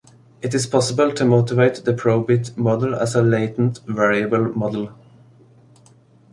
It is possible to motivate the probit model as a latent variable model.